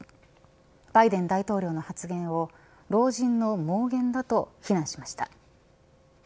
バイデン大統領の発言を老人の妄言だと非難しました。